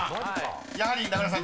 やはり名倉さん